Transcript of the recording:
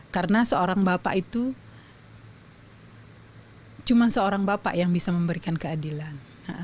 karena seorang bapak itu cuma seorang bapak yang bisa memberikan keadilan